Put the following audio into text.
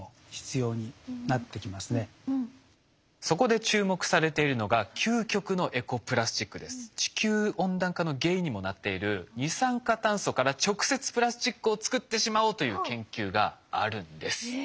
そこで注目されているのが地球温暖化の原因にもなっている二酸化炭素から直接プラスチックを作ってしまおうという研究があるんです。